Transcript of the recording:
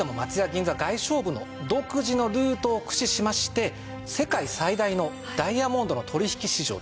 銀座外商部の独自のルートを駆使しまして世界最大のダイヤモンドの取引市場ですね